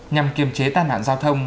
nhằm kiềm chế tàn hạn giao thông